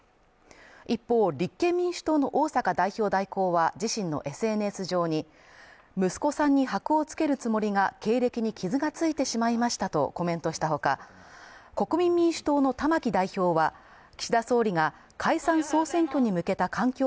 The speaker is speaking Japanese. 一方、立憲民主党の逢坂代表代行は自身のＳＮＳ上に息子さんにはくをつけるつもりが、経歴に傷がついてしまいましたとコメントしたほか、列島各地で梅雨入りが進んでいます。